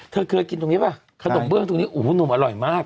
เธอเคยกินตรงนี้ป่ะขนมเบื้องตรงนี้โอ้โหหนุ่มอร่อยมาก